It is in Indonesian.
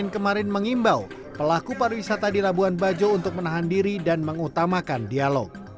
kemarin mengimbau pelaku pariwisata di labuan bajo untuk menahan diri dan mengutamakan dialog